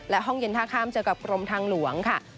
และห้องเย็นท่าข้ามเจอกับกรมทางหลวงค่ะ